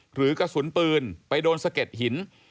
หรือกระสุนปืนไปโดนสะเก็ดหิน